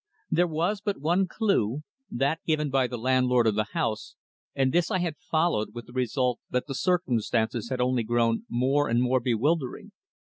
There was but one clue, that given by the landlord of the house, and this I had followed with the result that the circumstances had only grown more and more bewildering.